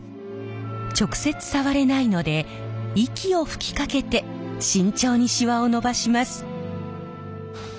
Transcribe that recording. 直接触れないので息を吹きかけて慎重にシワをのばします。